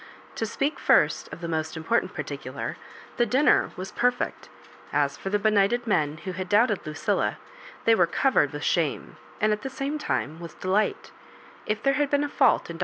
To speak first of the most important particular, the dinner was perfect. As for the benighted men who had doubted Lucilla, they were covered with shame, and at the same time, with delight If there had been a fault in Br.